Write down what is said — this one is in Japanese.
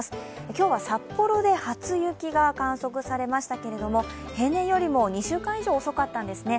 今日は札幌で初雪が観測されましたけれども、平年よりも２週間以上遅かったんですね。